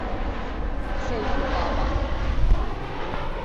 سری بگاوان